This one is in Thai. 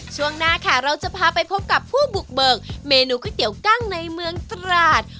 ช่วงหน้าค่ะเราจะพาไปพบกับผู้บุกเบิกเมนูก๋วยเตี๋ยวกั้งในเมืองตราด